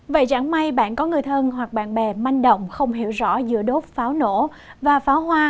vậy chẳng may bạn có người thân hoặc bạn bè manh động không hiểu rõ giữa đốt pháo nổ và pháo hoa